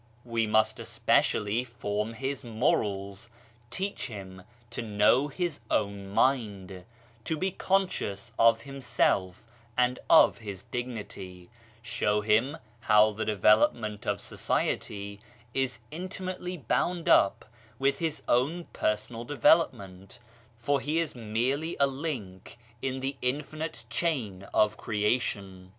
We must 138 BAHAISM especially form his morals, teach him to know his own mind, to be conscious of himself and of his dignity, show him how the development of society is intimately bound up with his own personal develop ment, for he is merely a link in the infinite chain of creation.